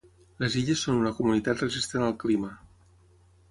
Les illes són una comunitat resistent al clima.